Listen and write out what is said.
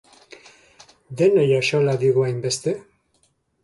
Denei axola digu hainbeste?